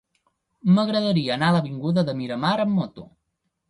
M'agradaria anar a l'avinguda de Miramar amb moto.